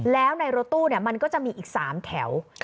แล้วในรถตู้มันก็จะมีอีก๓แถว